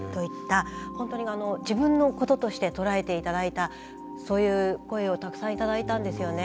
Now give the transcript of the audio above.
本当に自分のこととして捉えていただいたそういう声をたくさん頂いたんですよね。